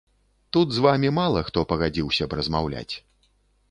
Тут з вамі мала хто пагадзіўся б размаўляць.